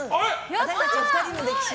私たち２人の歴史。